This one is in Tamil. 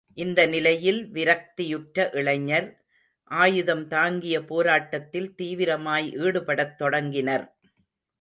இந்த நிலையில் விரக்தியுற்ற இளைஞர், ஆயுதம் தாங்கிய போராட்டத்தில் தீவிரமாய் ஈடுபடத் தொடங்கினர்.